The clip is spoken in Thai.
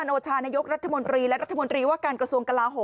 โอไหมครอล